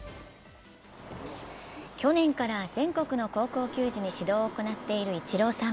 去年から全国の高校球児に指導を行っているイチローさん。